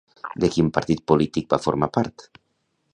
De quin partit polític va formar part?